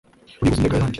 Runihuza iminega yanjye